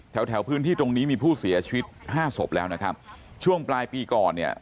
แถวแถวพื้นที่ตรงนี้มีผู้เสียชีวิตห้าศพแล้วนะครับช่วงปลายปีก่อนเนี่ย